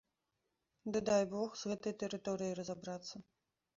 Ды дай бог з гэтай тэрыторыяй разабрацца!